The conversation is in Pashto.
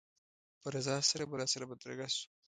په رضا سره به راسره بدرګه شو.